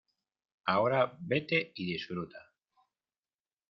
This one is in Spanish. ahora vete y disfruta.